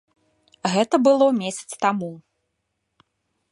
Гэта было месяц таму.